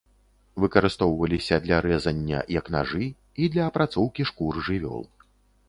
Выкарыстоўваліся для рэзання, як нажы, і для апрацоўкі шкур жывёл.